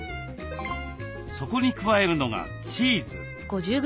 そこに加えるのがチーズ。